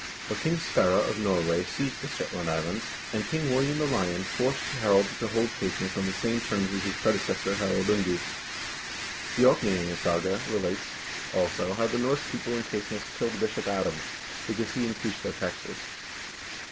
But King Sverre of Nor way seized the Shetland Islands, and King William the Lion forced Harald to hold Caithness on the same terms as his predecessor, Harald Ungi. The " Orkneyingasaga " relates, also, how the Norse people in Caithness killed Bishop Adam, because he increased their taxes.